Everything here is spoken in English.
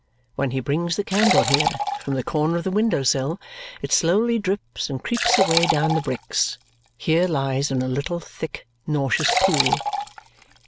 When he brings the candle here, from the corner of the window sill, it slowly drips and creeps away down the bricks, here lies in a little thick nauseous pool.